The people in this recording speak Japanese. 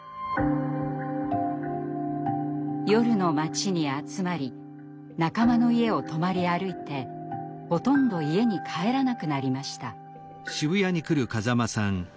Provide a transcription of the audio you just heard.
夜の街に集まり仲間の家を泊まり歩いてほとんど家に帰らなくなりました。